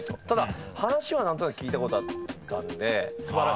ただ話は何となく聞いたことあったんで。